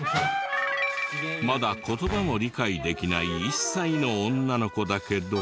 まだ言葉も理解できない１歳の女の子だけど。